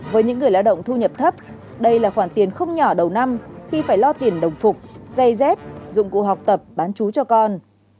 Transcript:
với những người lao động thu nhập thấp đây là khoản tiền không nhỏ đầu năm khi phải lo tiền đồng phục dây dép dụng cụ học tập bán chú cho con